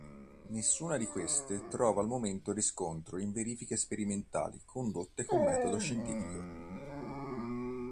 Nessuna di queste trova al momento riscontro in verifiche sperimentali condotte con metodo scientifico.